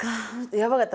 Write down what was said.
やばかった。